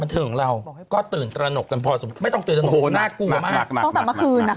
ไม่ต้องตื่นตระหนกน่ากลัวมากต้องต่ำมาคืนน่ะค่ะ